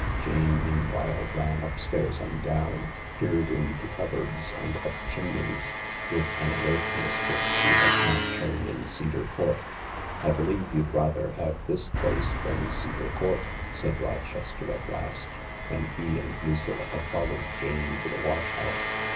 Jane meanwhile ran upstairs and down, peered into cup boards and up chimneys, with an alertness which she had not shown in Cedar Court. " I believe you'd rather have this place than Cedar Court," said Rochester at last, when he and Lucilla had followed Jane to the wash house.